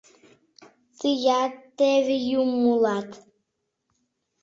Тыят теве юмо улат.